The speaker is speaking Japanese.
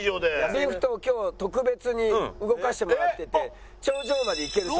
リフトを今日特別に動かしてもらってて頂上まで行けるそう。